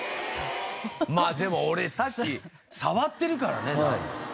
まあでも俺さっき触ってるからねもう。